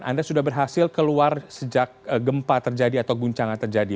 anda sudah berhasil keluar sejak gempa atau guncangan terjadi